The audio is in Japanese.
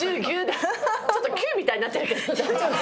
ちょっと九みたいになってるけど大丈夫？